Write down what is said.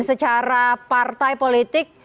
secara partai politik